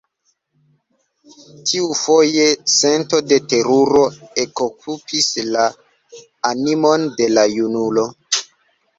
Tiufoje sento de teruro ekokupis la animon de la junulo.